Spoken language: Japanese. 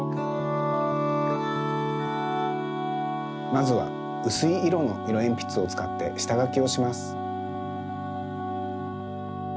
まずはうすいいろのいろえんぴつをつかってしたがきをします。